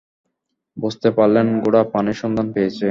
বুঝতে পারলেন ঘোড়া পানির সন্ধান পেয়েছে।